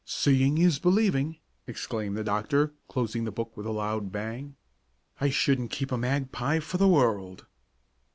"Seeing is believing!" exclaimed the doctor, closing the book with a loud bang. "I wouldn't keep a magpie for the world."